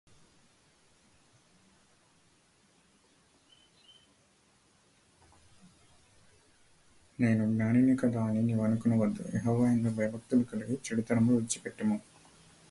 This strengthened his standing in the area.